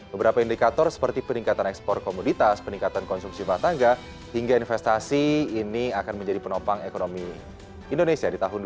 beberapa indikator seperti peningkatan ekspor komoditas peningkatan konsumsi rumah tangga hingga investasi ini akan menjadi penopang ekonomi indonesia di tahun dua ribu dua puluh